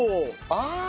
ああ！